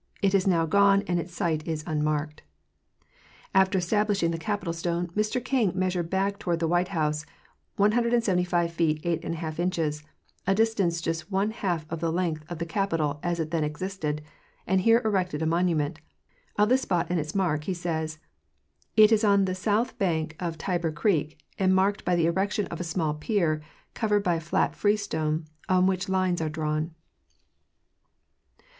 It is now gone and its site is unmarked. After establishing the Capitol stone Mr King measured back toward the White House 175 feet 83 inches, a distance just one half of the length of the Capitol as it then existed, and here erected a monument. Of the spot and its mark he says: It is on the south bank of Tyber creek, and marked by the erection of a small pier, covered by a flat freestone, on which the lines are drawn.